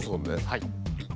はい。